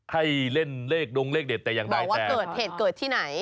ให้เล่นเลขดงเรขเด็ดแต่ยังได้แต่บอกว่าเกิดเหตุเกิดที่ไหน